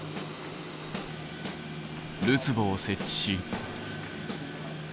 るつぼを設置し。